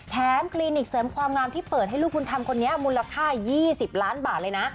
คลินิกเสริมความงามที่เปิดให้ลูกบุญธรรมคนนี้มูลค่า๒๐ล้านบาทเลยนะ